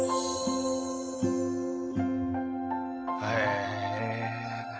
へえ。